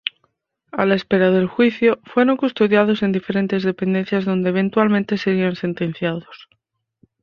A la espera del juicio, fueron custodiados en diferentes dependencias donde eventualmente serían sentenciados.